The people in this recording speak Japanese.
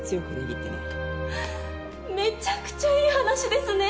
はぁめちゃくちゃいい話ですね。